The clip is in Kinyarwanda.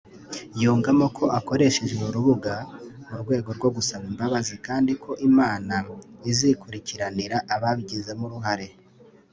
yungamo ko akoresheje uru rubuga mu rwego rwo gusaba imbabazi kandi ko Imana izikurikiranira ababigizemo uruhare